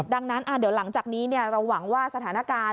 ดังนั้นเดี๋ยวหลังจากนี้เราหวังว่าสถานการณ์